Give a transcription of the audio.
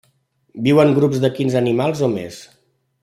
Viu en grups de quinze animals o més.